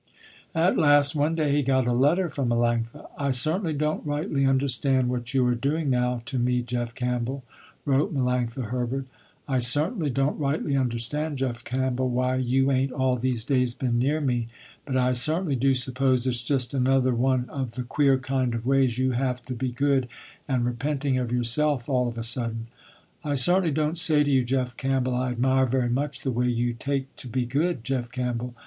At last one day he got a letter from Melanctha. "I certainly don't rightly understand what you are doing now to me Jeff Campbell," wrote Melanctha Herbert. "I certainly don't rightly understand Jeff Campbell why you ain't all these days been near me, but I certainly do suppose it's just another one of the queer kind of ways you have to be good, and repenting of yourself all of a sudden. I certainly don't say to you Jeff Campbell I admire very much the way you take to be good Jeff Campbell.